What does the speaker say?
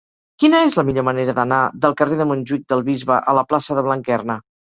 Quina és la millor manera d'anar del carrer de Montjuïc del Bisbe a la plaça de Blanquerna?